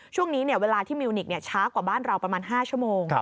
ช่วงเวลาที่มิวนิกช้ากว่าบ้านเราประมาณ๕ชั่วโมง